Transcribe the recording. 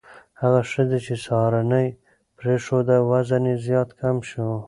هغه ښځې چې سهارنۍ پرېښوده، وزن یې زیات کم شو.